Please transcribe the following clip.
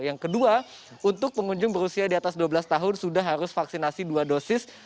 yang kedua untuk pengunjung berusia di atas dua belas tahun sudah harus vaksinasi dua dosis